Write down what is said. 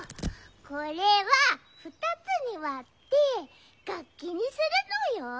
これはふたつにわってがっきにするのよ。